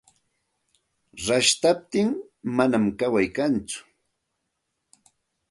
Rashtaptin manam kaway kantsu.